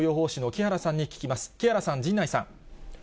木原さん、陣内さん。